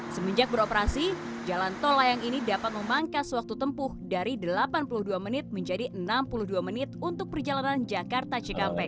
semenjak beroperasi jalan tol layang ini dapat memangkas waktu tempuh dari delapan puluh dua menit menjadi enam puluh dua menit untuk perjalanan jakarta cikampek